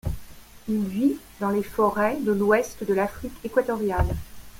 Il vit dans les forêts de l’Ouest de l’Afrique équatoriale.